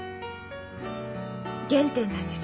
原点なんです。